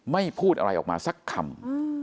ไม่พูดอะไรออกมาสักคำ